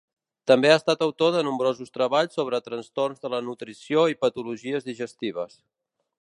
També ha estat autor de nombrosos treballs sobre trastorns de la nutrició i patologies digestives.